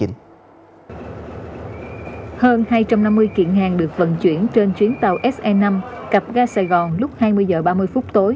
hơn hai trăm năm mươi kiện hàng được vận chuyển trên chuyến tàu se năm cặp ga sài gòn lúc hai mươi h ba mươi phút tối